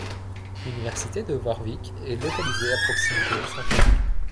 L'Université de Warwick est localisée à proximité du centre ville.